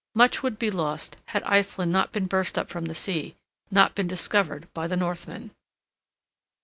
Much would be lost had Iceland not been burst up from the sea, not been discovered by the Northmen!"